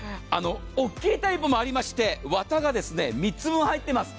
大きいタイプもありまして綿が３つも入っています。